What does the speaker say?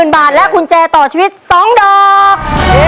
๐บาทและกุญแจต่อชีวิต๒ดอก